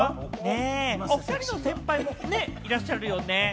おふたりの先輩もね、いらっしゃるよね。